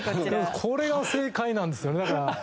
これが正解なんですよねだから。